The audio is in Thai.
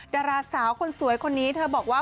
ดาราสาวคนสวยคนนี้เธอบอกว่า